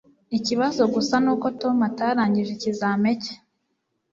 Ikibazo gusa nuko Tom atarangije ikizamini cye